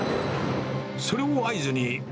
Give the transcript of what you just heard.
それを合図に。